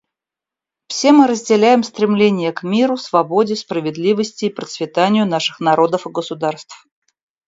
Все мы разделяем стремление к миру, свободе, справедливости и процветанию наших народов и государств.